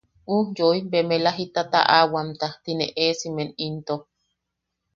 Ujyoi bemela jita taʼawamta tine eesimen into...